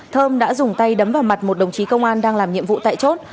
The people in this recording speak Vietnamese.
thơm đã dùng tay đấm vào mặt một đồng chí công an đang làm nhiệm vụ tại chốt